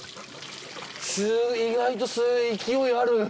意外と勢いある。